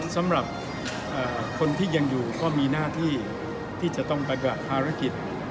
สำหรับคนที่ยังอยู่ก็มีหน้าที่ที่จะต้องปฏิบัติภารกิจ